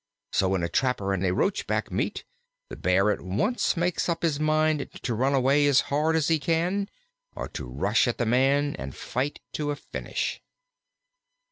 So when a trapper and a Roachback meet, the Bear at once makes up his mind to run away as hard as he can, or to rush at the man and fight to a finish.